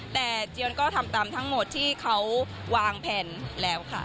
แต่เจียนก็ทำตามทั้งหมดที่เขาวางแผนแล้วค่ะ